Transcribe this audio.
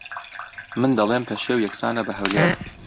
من دەڵێم پەشێو یەکسانە بە ھەولێر